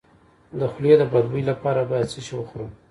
د خولې د بد بوی لپاره باید څه شی وخورم؟